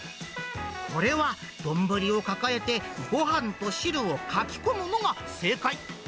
これは丼を抱えてごはんと汁をかき込むのが正解。